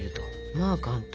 まあ簡単。